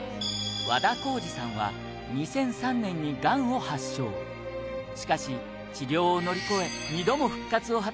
和田光司さんは２００３年にがんを発症しかし、治療を乗り越え２度も復活を果たし